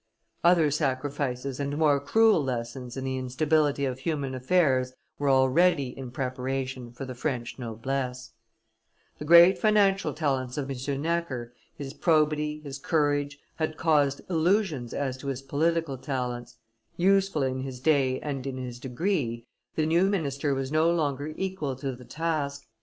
Other sacrifices and more cruel lessons in the instability of human affairs were already in preparation for the French noblesse. The great financial talents of M. Necker, his probity, his courage, had caused illusions as to his political talents; useful in his day and in his degree, the new minister was no longer equal to the task.